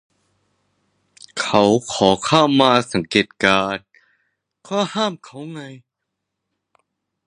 เขาขอเข้ามาสังเกตการณ์ ก็ห้ามเขาไง